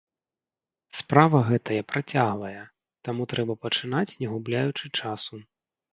Справа гэтая працяглая, таму трэба пачынаць не губляючы часу.